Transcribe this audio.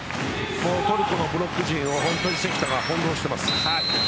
トルコのブロック陣を関田が翻弄しています。